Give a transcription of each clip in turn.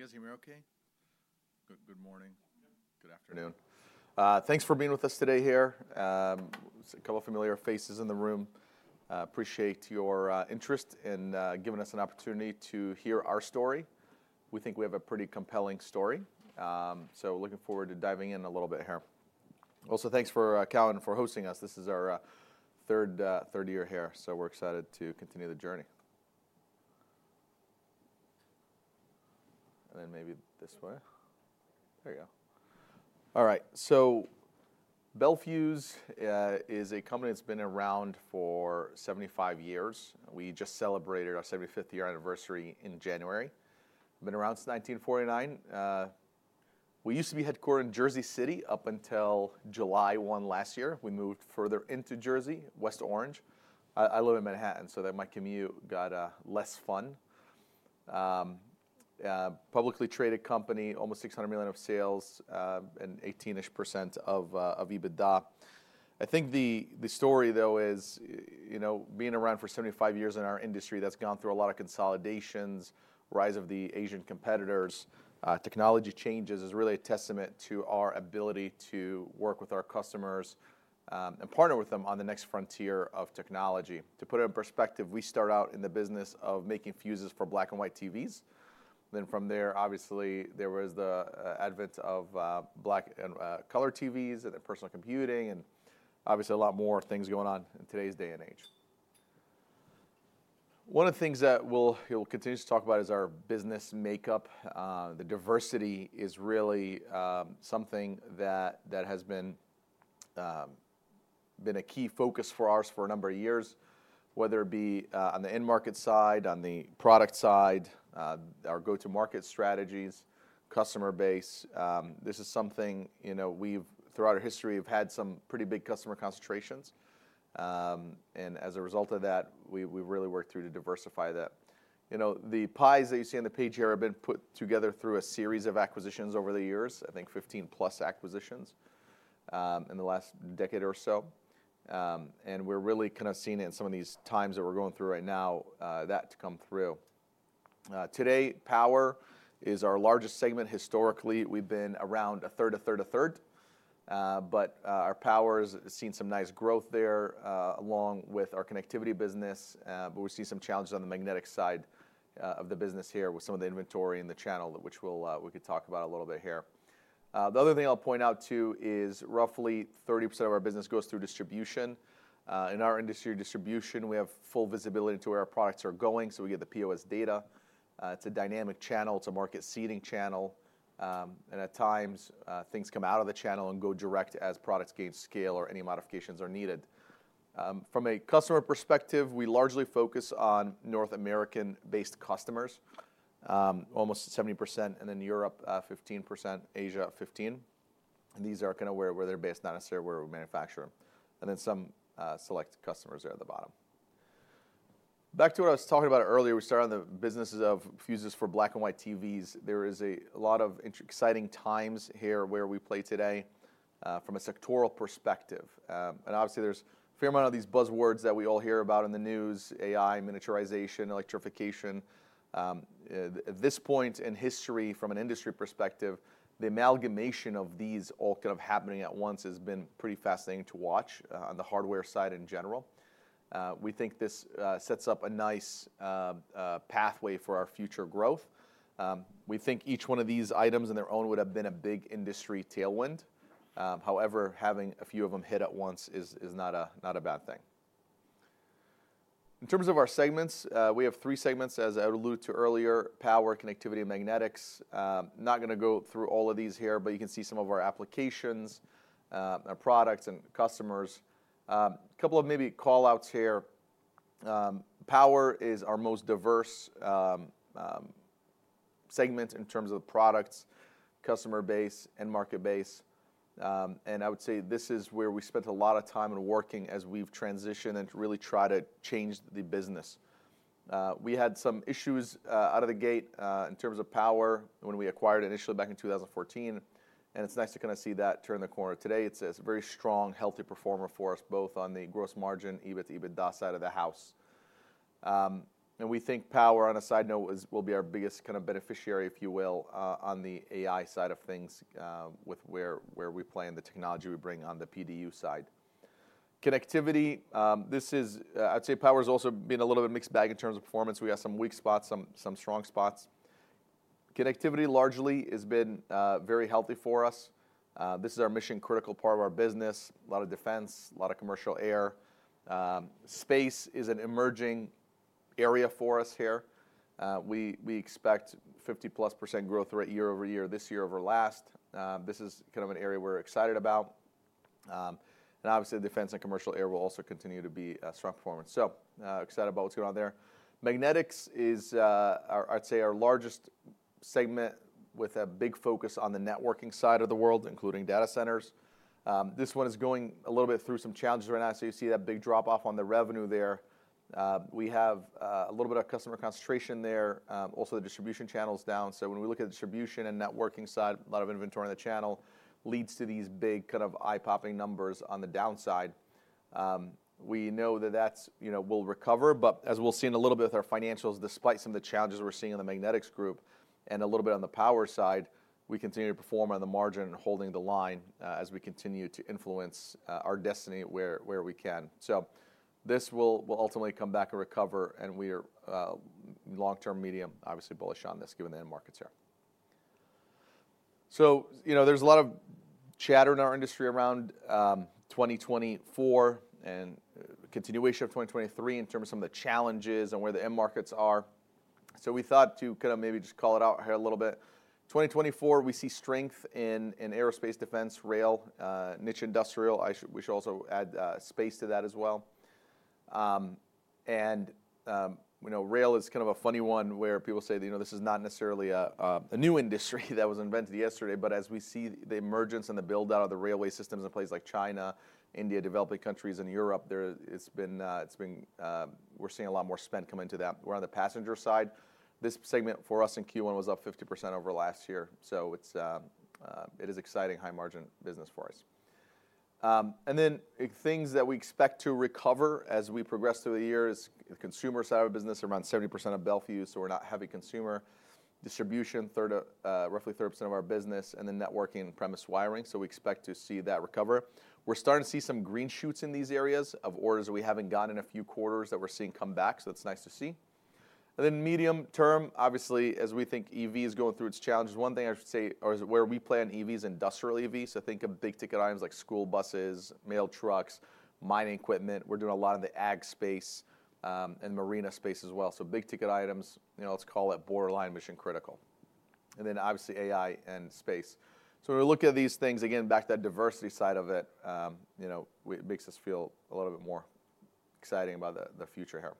All right. Can you guys hear me okay? Good, good morning. Good afternoon. Thanks for being with us today here. I see a couple of familiar faces in the room. Appreciate your interest in giving us an opportunity to hear our story. We think we have a pretty compelling story. So looking forward to diving in a little bit here. Also, thanks for Cowen for hosting us, this is our third year here, so we're excited to continue the journey. And then maybe this way? There you go. All right, so Bel Fuse is a company that's been around for 75 years. We just celebrated our 75th year anniversary in January. Been around since 1949. We used to be headquartered in Jersey City up until July 1 last year. We moved further into Jersey, West Orange. I live in Manhattan, so then my commute got less fun. Publicly traded company, almost $600 million of sales, and 18-ish% of EBITDA. I think the story, though, is, you know, being around for 75 years in our industry that's gone through a lot of consolidations, rise of the Asian competitors, technology changes, is really a testament to our ability to work with our customers, and partner with them on the next frontier of technology. To put it in perspective, we started out in the business of making fuses for black and white TVs. Then from there, obviously, there was the advent of black and color TVs, and then personal computing, and obviously a lot more things going on in today's day and age. One of the things that we'll continue to talk about is our business makeup. The diversity is really something that has been a key focus for us for a number of years, whether it be on the end market side, on the product side, our go-to-market strategies, customer base. This is something, you know, we've throughout our history have had some pretty big customer concentrations. And as a result of that, we've really worked through to diversify that. You know, the pies that you see on the page here have been put together through a series of acquisitions over the years, I think 15+ acquisitions in the last decade or so. And we're really kind of seeing in some of these times that we're going through right now that to come through. Today, power is our largest segment. Historically, we've been around a third, a third, a third. But our power has seen some nice growth there, along with our connectivity business, but we see some challenges on the magnetic side of the business here, with some of the inventory and the channel, which we'll... We could talk about a little bit here. The other thing I'll point out, too, is roughly 30% of our business goes through distribution. In our industry, distribution, we have full visibility into where our products are going, so we get the POS data. It's a dynamic channel, it's a market-seeding channel, and at times, things come out of the channel and go direct as products gain scale or any modifications are needed. From a customer perspective, we largely focus on North America-based customers, almost 70%, and then Europe, 15%, Asia, 15%. These are kinda where they're based, not necessarily where we manufacture them, and then some select customers there at the bottom. Back to what I was talking about earlier, we started on the businesses of fuses for black and white TVs. There is a lot of exciting times here where we play today, from a sectoral perspective. Obviously, there's a fair amount of these buzzwords that we all hear about in the news: AI, miniaturization, electrification. At this point in history, from an industry perspective, the amalgamation of these all kind of happening at once has been pretty fascinating to watch, on the hardware side in general. We think this sets up a nice pathway for our future growth. We think each one of these items on their own would have been a big industry tailwind. However, having a few of them hit at once is not a bad thing. In terms of our segments, we have three segments, as I alluded to earlier: power, connectivity, and magnetics. Not gonna go through all of these here, but you can see some of our applications, our products and customers. A couple of maybe call-outs here. Power is our most diverse segment in terms of products, customer base, and market base. And I would say this is where we spent a lot of time and working as we've transitioned and to really try to change the business. We had some issues out of the gate in terms of power when we acquired initially back in 2014, and it's nice to kind of see that turn the corner. Today, it's a very strong, healthy performer for us, both on the gross margin, EBIT, EBITDA side of the house. And we think power, on a side note, will be our biggest kind of beneficiary, if you will, on the AI side of things, with where we play and the technology we bring on the PDU side. Connectivity. This is, I'd say power has also been a little bit of a mixed bag in terms of performance. We have some weak spots, some strong spots. Connectivity largely has been very healthy for us. This is our mission-critical part of our business, a lot of defense, a lot of commercial air. Space is an emerging area for us here. We expect 50%+ growth rate year-over-year, this year over last. This is kind of an area we're excited about. And obviously, defense and commercial air will also continue to be a strong performer. So, excited about what's going on there. Magnetics is, our—I'd say, our largest segment with a big focus on the networking side of the world, including data centers. This one is going a little bit through some challenges right now, so you see that big drop-off on the revenue there. We have, a little bit of customer concentration there. Also, the distribution channel's down. So when we look at the distribution and networking side, a lot of inventory in the channel leads to these big, kind of, eye-popping numbers on the downside. We know that that's, you know, will recover, but as we'll see in a little bit with our financials, despite some of the challenges we're seeing in the magnetics group and a little bit on the power side, we continue to perform on the margin and holding the line, as we continue to influence, our destiny where, where we can. So this will, will ultimately come back and recover, and we are, long-term, medium, obviously bullish on this, given the end markets here. So, you know, there's a lot of chatter in our industry around, 2024 and continuation of 2023 in terms of some of the challenges and where the end markets are. So we thought to kind of maybe just call it out here a little bit. 2024, we see strength in, in aerospace, defense, rail, niche industrial. We should also add space to that as well. You know, rail is kind of a funny one, where people say that, you know, this is not necessarily a new industry that was invented yesterday. But as we see the emergence and the build-out of the railway systems in places like China, India, developing countries, and Europe. It's been. We're seeing a lot more spend come into that. We're on the passenger side. This segment for us in Q1 was up 50% over last year, so it is exciting high-margin business for us. And then things that we expect to recover as we progress through the year is the consumer side of business, around 70% of Bel Fuse, so we're not heavy consumer. Distribution, third of, roughly 30% of our business, and then networking and premise wiring, so we expect to see that recover. We're starting to see some green shoots in these areas of orders that we haven't gotten in a few quarters that we're seeing come back, so it's nice to see. And then medium term, obviously, as we think EV is going through its challenges, one thing I should say, or is where we play on EVs, industrial EVs, so think of big-ticket items like school buses, mail trucks, mining equipment. We're doing a lot in the ag space, and marine space as well. So big-ticket items, you know, let's call it borderline mission-critical. And then, obviously, AI and space. So when we look at these things, again, back to that diversity side of it, you know, it makes us feel a little bit more exciting about the future here.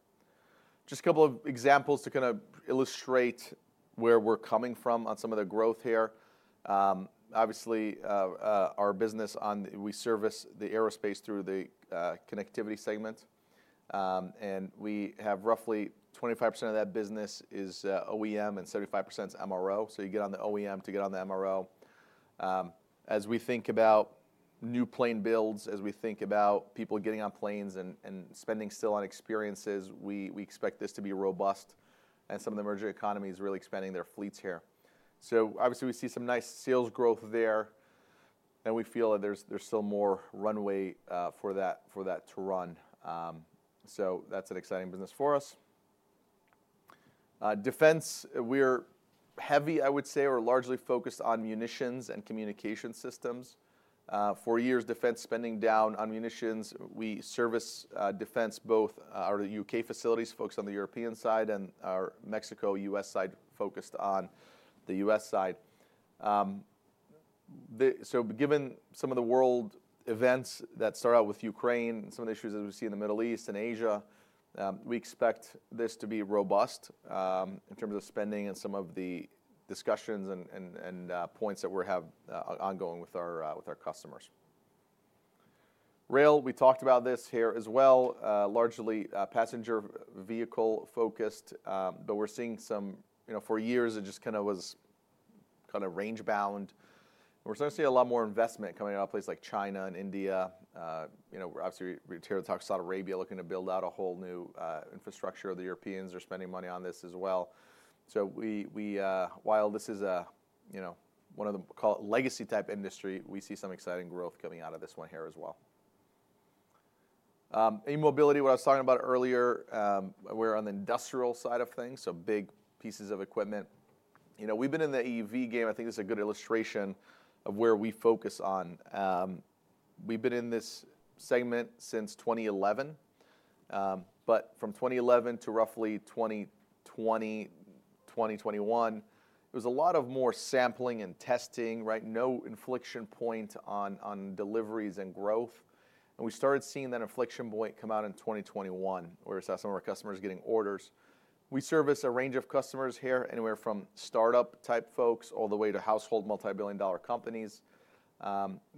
Just a couple of examples to kinda illustrate where we're coming from on some of the growth here. Our business. We service the aerospace through the connectivity segment, and we have roughly 25% of that business is OEM and 75% is MRO. So you get on the OEM to get on the MRO. As we think about new plane builds, as we think about people getting on planes and spending still on experiences, we expect this to be robust, and some of the emerging economies really expanding their fleets here. So obviously, we see some nice sales growth there, and we feel that there's still more runway for that to run. So that's an exciting business for us. Defense, we're heavy, I would say, or largely focused on munitions and communication systems. For years, defense spending down on munitions. We service defense both our U.K. facilities, folks on the European side, and our Mexico-U.S. side focused on the U.S. side. So given some of the world events that start out with Ukraine and some of the issues that we see in the Middle East and Asia, we expect this to be robust in terms of spending and some of the discussions and points that we have ongoing with our customers. Rail, we talked about this here as well, largely a passenger vehicle-focused, but we're seeing some. You know, for years, it just kinda was kinda range-bound, and we're starting to see a lot more investment coming out of places like China and India. You know, obviously, we hear Saudi Arabia looking to build out a whole new infrastructure. The Europeans are spending money on this as well. So we, while this is a, you know, one of the, call it, legacy-type industry, we see some exciting growth coming out of this one here as well. E-mobility, what I was talking about earlier, we're on the industrial side of things, so big pieces of equipment. You know, we've been in the EV game. I think this is a good illustration of where we focus on. We've been in this segment since 2011, but from 2011 to roughly 2020, 2021, there was a lot of more sampling and testing, right? No inflection point on deliveries and growth, and we started seeing that inflection point come out in 2021, where some of our customers getting orders. We service a range of customers here, anywhere from startup-type folks all the way to household multi-billion dollar companies.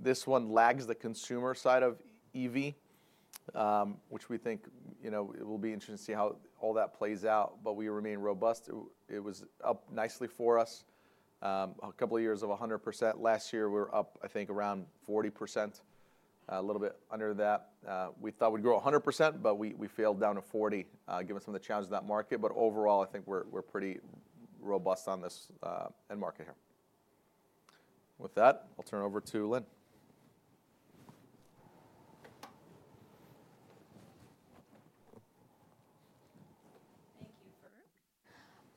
This one lags the consumer side of EV, which we think, you know, it will be interesting to see how all that plays out, but we remain robust. It was up nicely for us, a couple of years of 100%. Last year, we were up, I think, around 40%, a little bit under that. We thought we'd grow 100%, but we failed down to 40, given some of the challenges in that market. But overall, I think we're pretty robust on this end market here. With that, I'll turn it over to Lynn.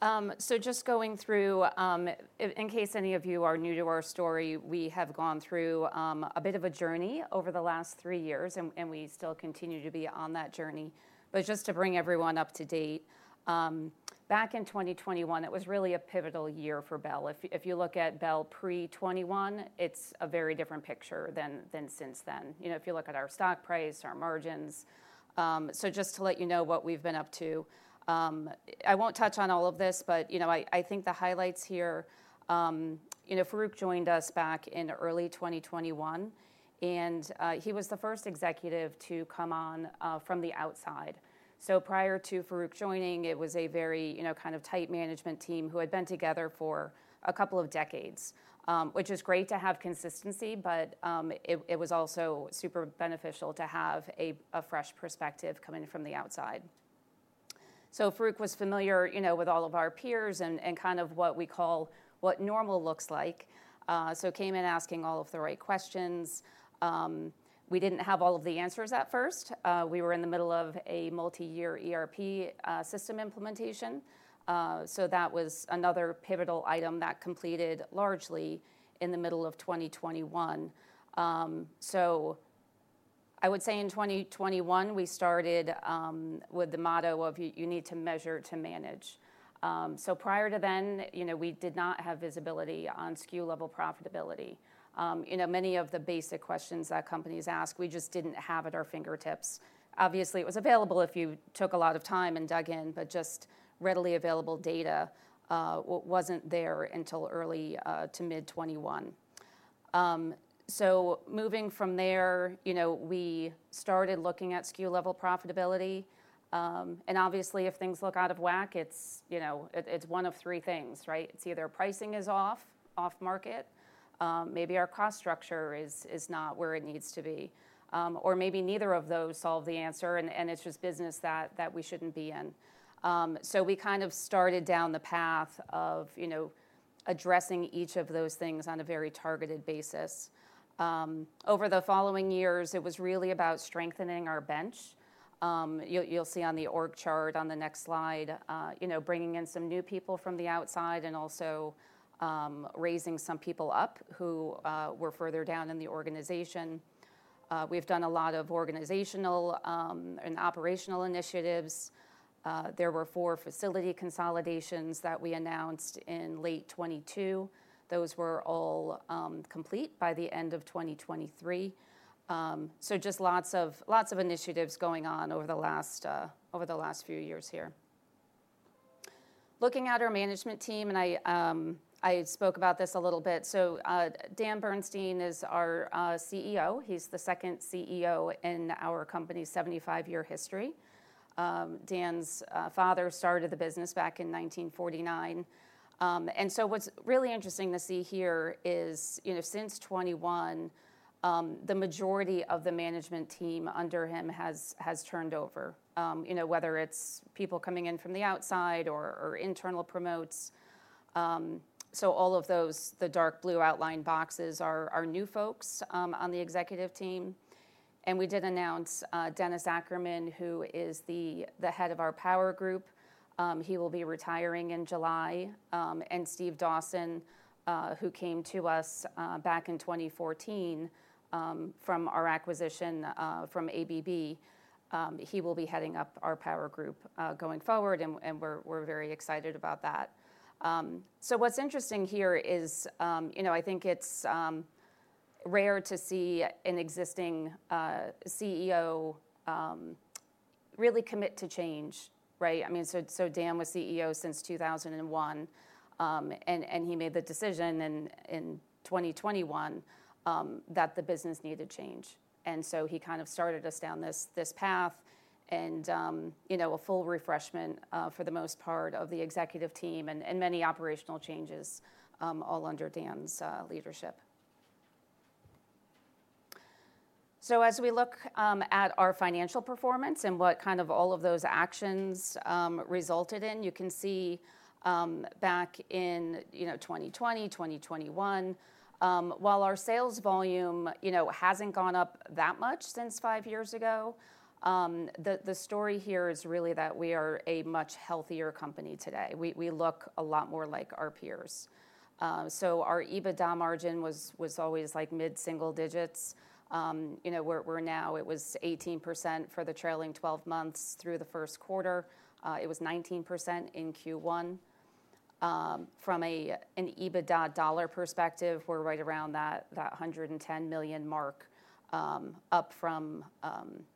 Thank you, Farouq. So just going through, in case any of you are new to our story, we have gone through a bit of a journey over the last three years, and we still continue to be on that journey. But just to bring everyone up to date, back in 2021, it was really a pivotal year for Bel. If you look at Bel pre-2021, it's a very different picture than since then. You know, if you look at our stock price, our margins, so just to let you know what we've been up to. I won't touch on all of this, but you know, I think the highlights here... you know, Farouq joined us back in early 2021, and he was the first executive to come on from the outside. So prior to Farouq joining, it was a very, you know, kind of tight management team who had been together for a couple of decades, which is great to have consistency, but it was also super beneficial to have a fresh perspective coming from the outside. So Farouq was familiar, you know, with all of our peers and kind of what we call what normal looks like. So came in asking all of the right questions. We didn't have all of the answers at first. We were in the middle of a multi-year ERP system implementation. So that was another pivotal item that completed largely in the middle of 2021. So I would say in 2021, we started with the motto of you need to measure to manage. So prior to then, you know, we did not have visibility on SKU-level profitability. You know, many of the basic questions that companies ask, we just didn't have at our fingertips. Obviously, it was available if you took a lot of time and dug in, but just readily available data wasn't there until early to mid-2021. So moving from there, you know, we started looking at SKU-level profitability. And obviously, if things look out of whack, it's, you know, it's one of three things, right? It's either pricing is off-market, maybe our cost structure is not where it needs to be, or maybe neither of those solve the answer, and it's just business that we shouldn't be in. So we kind of started down the path of, you know, addressing each of those things on a very targeted basis. Over the following years, it was really about strengthening our bench. You'll see on the org chart on the next slide, you know, bringing in some new people from the outside and also, raising some people up who were further down in the organization. We've done a lot of organizational and operational initiatives. There were four facility consolidations that we announced in late 2022. Those were all complete by the end of 2023. So just lots of, lots of initiatives going on over the last, over the last few years here. Looking at our management team, and I spoke about this a little bit. So Dan Bernstein is our CEO. He's the second CEO in our company's 75-year history. Dan's father started the business back in 1949. And so what's really interesting to see here is, you know, since 2021, the majority of the management team under him has turned over. You know, whether it's people coming in from the outside or internal promotes. So all of those, the dark blue outlined boxes are new folks on the executive team. And we did announce Dennis Ackerman, who is the head of our power group. He will be retiring in July. And Steve Dawson, who came to us back in 2014, from our acquisition from ABB, he will be heading up our power group going forward, and we're very excited about that. So what's interesting here is, you know, I think it's rare to see an existing CEO really commit to change, right? I mean, so Dan was CEO since 2001. And he made the decision in 2021 that the business needed change. And so he kind of started us down this path and, you know, a full refreshment, for the most part, of the executive team and many operational changes, all under Dan's leadership. So as we look at our financial performance and what kind of all of those actions resulted in, you can see back in, you know, 2020, 2021, while our sales volume, you know, hasn't gone up that much since 5 years ago, the story here is really that we are a much healthier company today. We look a lot more like our peers. So our EBITDA margin was always like mid-single digits. You know, we're now it was 18% for the trailing twelve months through the first quarter. It was 19% in Q1. From an EBITDA dollar perspective, we're right around that $110 million mark, up from,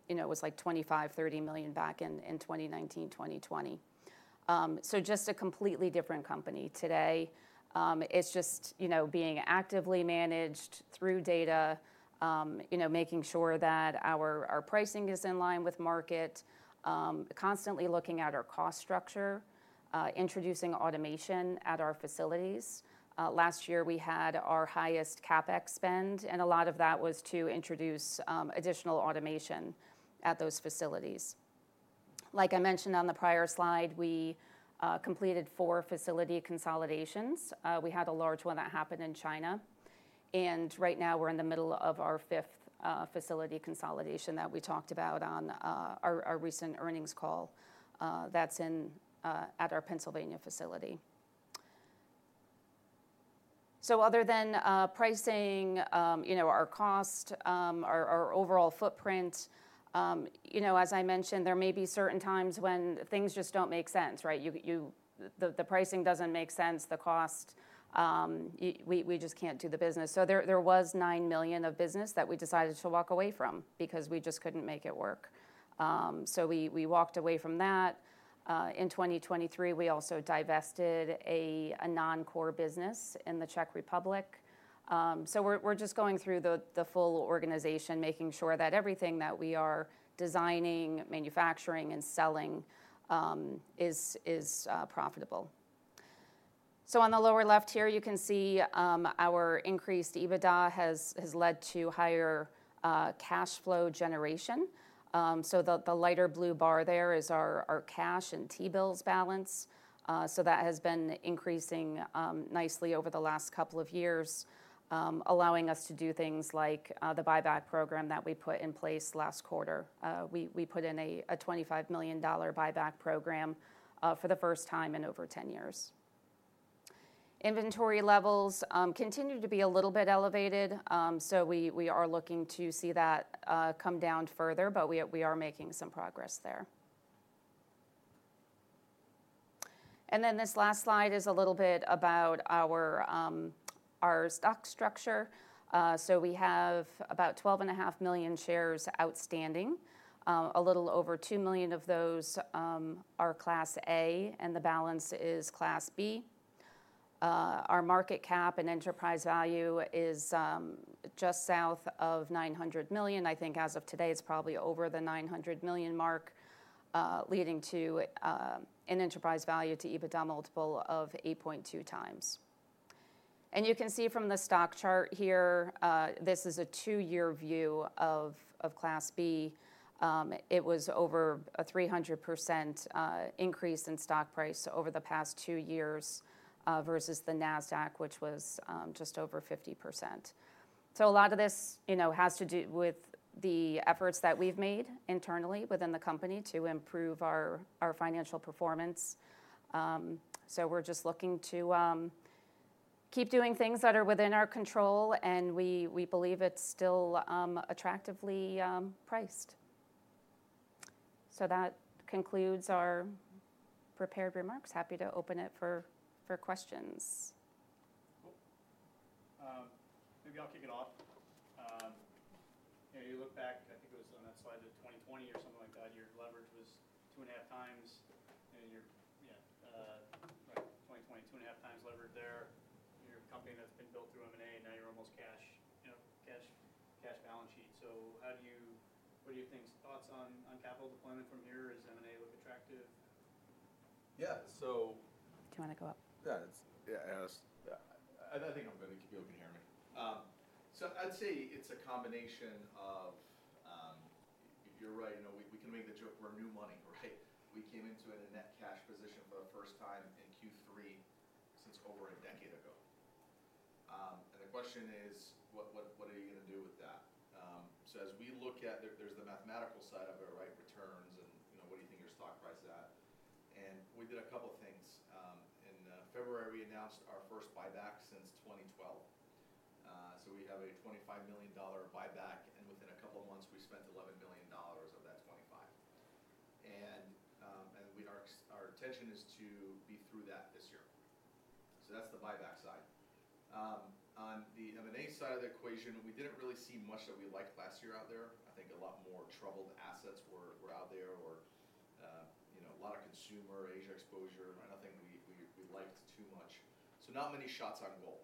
you know, it was like $25-$30 million back in 2019, 2020. So just a completely different company today. It's just, you know, being actively managed through data, you know, making sure that our pricing is in line with market, constantly looking at our cost structure, introducing automation at our facilities. Last year, we had our highest CapEx spend, and a lot of that was to introduce additional automation at those facilities. Like I mentioned on the prior slide, we completed four facility consolidations. We had a large one that happened in China, and right now we're in the middle of our fifth facility consolidation that we talked about on our recent earnings call, that's in at our Pennsylvania facility. So other than pricing, you know, our cost, our overall footprint, you know, as I mentioned, there may be certain times when things just don't make sense, right? The pricing doesn't make sense, the cost, we just can't do the business. So there was $9 million of business that we decided to walk away from because we just couldn't make it work. So we walked away from that. In 2023, we also divested a non-core business in the Czech Republic. So we're just going through the full organization, making sure that everything that we are designing, manufacturing, and selling is profitable. So on the lower left here, you can see our increased EBITDA has led to higher cash flow generation. So the lighter blue bar there is our cash and T-bills balance. So that has been increasing nicely over the last couple of years, allowing us to do things like the buyback program that we put in place last quarter. We put in a $25 million buyback program for the first time in over 10 years. Inventory levels continue to be a little bit elevated. So we are looking to see that come down further, but we are making some progress there. And then this last slide is a little bit about our stock structure. So we have about 12.5 million shares outstanding. A little over 2 million of those are Class A, and the balance is Class B. Our market cap and enterprise value is just south of $900 million. I think as of today, it's probably over the $900 million mark, leading to an enterprise value to EBITDA multiple of 8.2x. And you can see from the stock chart here, this is a 2-year view of Class B. It was over a 300% increase in stock price over the past 2 years, versus the Nasdaq, which was just over 50%. So a lot of this, you know, has to do with the efforts that we've made internally within the company to improve our financial performance. So we're just looking to keep doing things that are within our control, and we believe it's still attractively priced. So that concludes our prepared remarks. Happy to open it for questions. Maybe I'll kick it off. You know, you look back, I think it was on that slide, the 2020 or something like that, your leverage was 2.5x, and your... Yeah, 2020, 2.5x leverage there. You're a company that's been built through M&A, now you're almost cash, you know, cash, cash balance sheet. So how do you-- what are your things, thoughts on, on capital deployment from here? Does M&A look attractive? Yeah. So- Do you want to go up? Yeah, it's. Yeah, and I think I'm good. People can hear me. So I'd say it's a combination of, you're right. You know, we can make the joke, we're new money, right? We came into it a net cash position for the first time in Q3 since over a decade ago. And the question is, what are you going to do with that? So as we look at, there's the mathematical side of it, right? Returns and, you know, what do you think your stock price is at? And we did a couple of things. In February, we announced our first buyback since 2012. So we have a $25 million buyback, and within a couple of months, we spent $11 million of that 25. Our intention is to be through that this year. So that's the buyback side. On the M&A side of the equation, we didn't really see much that we liked last year out there. I think a lot more troubled assets were out there or, you know, a lot of consumer Asia exposure. Nothing we liked too much. So not many shots on goal.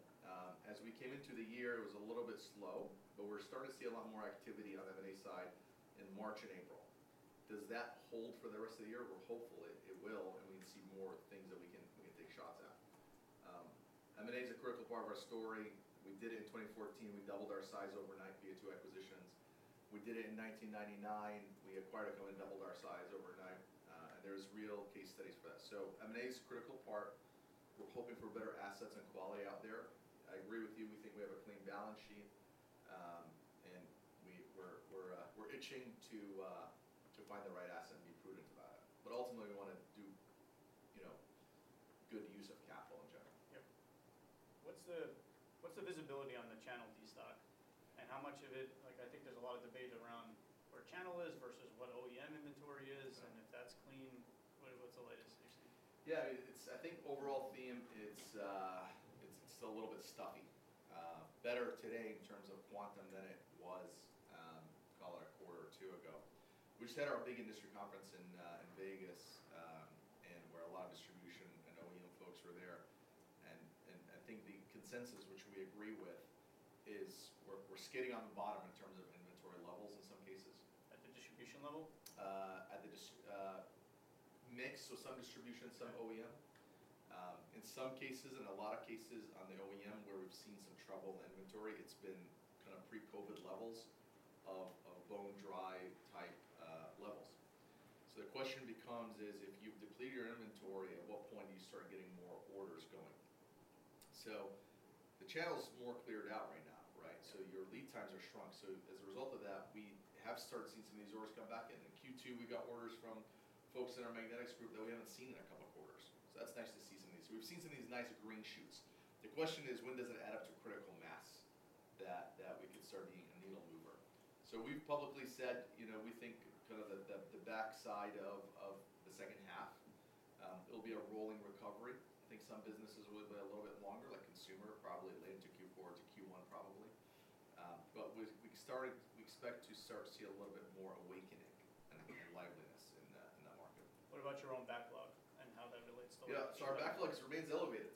As we came into the year, it was a little bit slow, but we're starting to see a lot more activity on the M&A side in March and April. Does that hold for the rest of the year? Well, hopefully, it will, and we can see more things that we can take shots at. M&A is a critical part of our story. We did it in 2014. We doubled our size overnight via two acquisitions. We did it in 1999. We acquired a company, doubled our size overnight. And there's real case studies for that. So M&A is a critical part. We're hoping for better assets and quality out there. I agree with you. We think we have a clean balance sheet, and we're itching to find the right asset and be prudent about it. But ultimately, we wanna do, you know, good use of capital in general. Yep. What's the visibility on the channel destock, and how much of it... Like, I think there's a lot of debate around where channel is versus what OEM inventory is- Right ... and if that's clean, what's the latest issue? Yeah, I think overall theme, it's still a little bit soft. Better today in terms of demand than it was, call it a quarter or two ago. We just had our big industry conference in Vegas, and where a lot of distribution and OEM folks were there. And I think the consensus, which we agree with, is we're skidding on the bottom in terms of inventory levels in some cases. At the distribution level? At the distribution mix, so some distribution, some OEM. Right. In some cases, in a lot of cases on the OEM, where we've seen some troubled inventory, it's been kind of pre-COVID levels of bone-dry type levels. So the question becomes is, if you deplete your inventory, at what point do you start getting more orders going? So the channel's more cleared out right now, right? So as a result of that, we have started seeing some of these orders come back in. In Q2, we got orders from folks in our magnetics group that we haven't seen in a couple of quarters. So that's nice to see some of these. We've seen some of these nice green shoots. The question is, when does it add up to critical mass, that we could start being a needle mover? So we've publicly said, you know, we think kind of the backside of the second half, it'll be a rolling recovery. I think some businesses will be a little bit longer, like consumer, probably late into Q4 to Q1, probably. But we expect to start to see a little bit more awakening and liveliness in that market. What about your own backlog and how that relates to all? Yeah. So our backlogs remains elevated.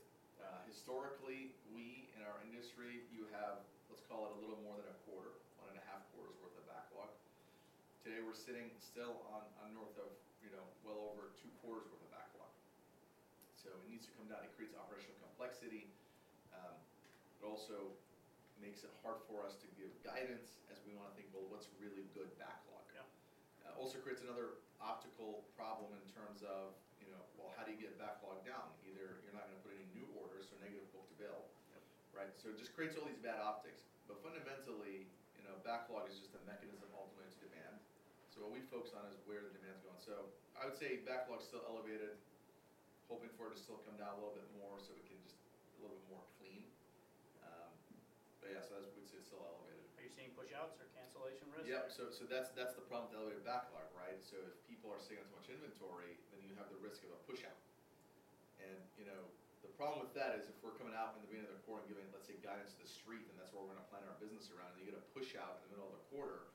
Historically, we, in our industry, you have, let's call it a little more than a quarter, one and a half quarters worth of backlog. Today we're sitting still on, on north of, you know, well over two quarters worth of backlog. So it needs to come down. It creates operational complexity. It also makes it hard for us to give guidance as we want to think, well, what's really good backlog? Yeah. also creates another optical problem in terms of, you know, well, how do you get backlog down? Either you're not going to put any new orders or negative book-to-bill. Yep. Right? So it just creates all these bad optics. But fundamentally, you know, backlog is just a mechanism ultimately to demand. So what we focus on is where the demand's going. So I would say backlog's still elevated, hoping for it to still come down a little bit more so it can just a little bit more clean. But yeah, so I would say it's still elevated. Are you seeing pushouts or cancellation risks? Yeah. So that's the problem with elevated backlog, right? So if people are sitting on too much inventory, then you have the risk of a pushout. And, you know, the problem with that is if we're coming out in the beginning of the quarter and giving, let's say, guidance to the street, and that's where we're going to plan our business around, and you get a pushout in the middle of the quarter,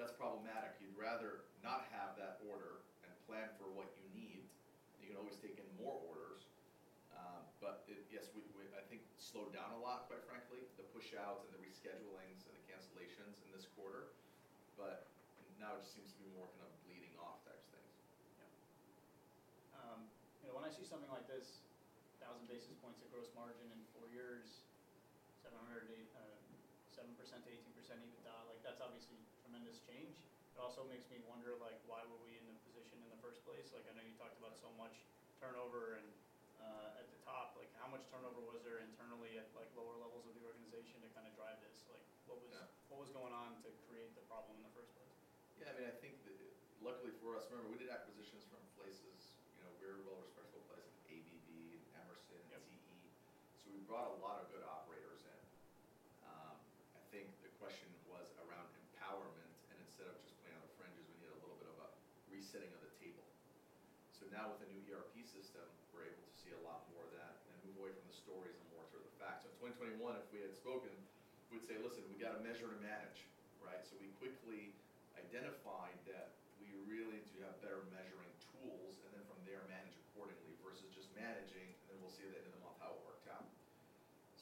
that's problematic. You'd rather not have that order and plan for what you need. You can always take in more orders, but yes, we slowed down a lot, quite frankly, the pushouts and the reschedulings and the cancellations in this quarter, but now it just seems to be more kind of bleeding off types of things. Yeah. You know, when I see something like this, 1,000 basis points of gross margin in 4 years, 708, 7% to 18% EBITDA, like, that's obviously tremendous change. It also makes me wonder, like, why were we in the position in the first place? Like, I know you talked about so much turnover and at the top, like, how much turnover was there internally at, like, lower levels of the organization to kind of drive this? Like, what was- Yeah. What was going on to create the problem in the first place? Yeah, I mean, I think that luckily for us, remember, we did acquisitions from places, you know, very well-respected places, ABB and Emerson and TE. Yep. So we brought a lot of good operators in. I think the question was around empowerment, and instead of just playing on the fringes, we need a little bit of a resetting of the table. So now with the new ERP system, we're able to see a lot more of that and move away from the stories and more toward the facts. So in 2021, if we had spoken, we'd say, "Listen, we got to measure and manage," right? So we quickly identified that we really need to have better measuring tools, and then from there, manage accordingly, versus just managing, and then we'll see at the end of the month how it worked out.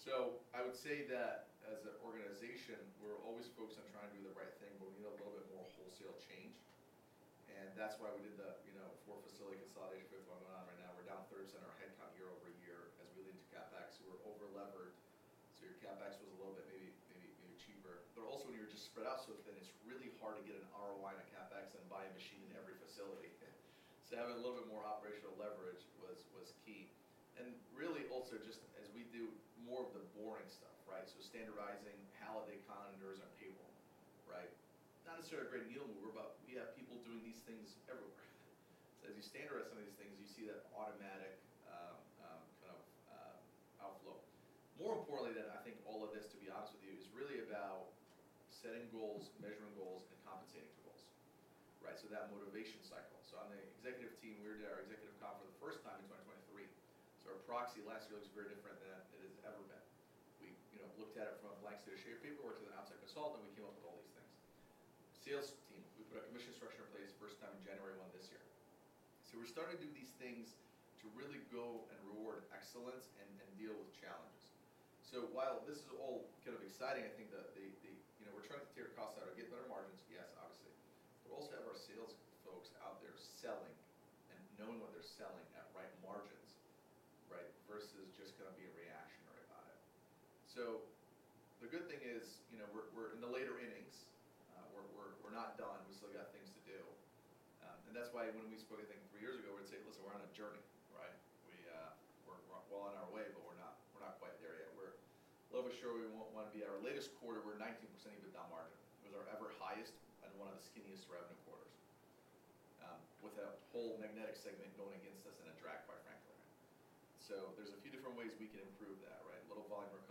So I would say that as an organization, we're always focused on trying to do the right thing, but we need a little bit more wholesale change, and that's why we did the, you know, four-facility consolidation group going on right now. We're down 30% our headcount year-over-year as we lead to CapEx. We're over-levered, so your CapEx was a little bit maybe, maybe, maybe cheaper. But also, when you're just spread out so thin, it's really hard to get an ROI on a CapEx and buy a machine in every facility. So having a little bit more operational leverage was, was key. And really also, just as we do more of the boring stuff, right? So standardizing P&L accounts and our paperwork, right? Not necessarily a great needle mover, but we have people doing these things everywhere. So as you standardize some of these things, you see that automatic outflow. More importantly than I think all of this, to be honest with you, is really about setting goals, measuring goals, and compensating to goals, right? So that motivation cycle. So on the executive team, we did our executive comp for the first time in 2023. So our proxy last year looks very different than it has ever been. We, you know, looked at it from the likes of a sheet of paperwork to an outside consultant, we came up with all these things. Sales team, we put a commission structure in place first time in January 1 this year. So we're starting to do these things to really go and reward excellence and deal with challenges. So while this is all kind of exciting, I think that you know, we're trying to tear costs out or get better margins, yes, obviously, but also to have our sales folks out there selling and knowing what they're selling at right margins, right? Versus just gonna be reactionary about it. So the good thing is, you know, we're in the later innings, we're not done, we still got things to do. And that's why when we spoke, I think three years ago, we'd say, "Listen, we're on a journey," right? We're well on our way, but we're not quite there yet. We're a little bit short of what we want to be in our latest quarter. We're 19% EBITDA margin. It was our ever highest and one of the skinniest revenue quarters, with a whole magnetic segment going against us in a drag, quite frankly. So there's a few different ways we can improve that, right? A little volume recovery, a little more operation. So I think we'll, we'll go at it from all angles. Any last questions for anyone? Cool. I think I'll give you guys an extra-